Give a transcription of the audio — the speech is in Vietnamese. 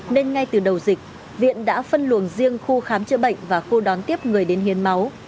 nên ngay từ đầu dịch viện đã phân luồng riêng khu khám chữa bệnh và khu đón tiếp người đến hiến máu